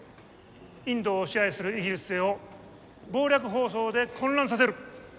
インドを支配するイギリス勢を謀略放送で混乱させる。